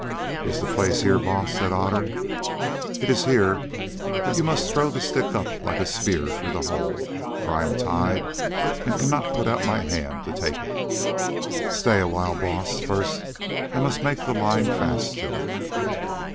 "Is the place here, Baas?" said Otter. "It is here, but you must throw the stick up like a spear through the hole, for I am tied, and cannot put out my hand to take it." "Stay awhile, Baas; first I must make the line fast to it."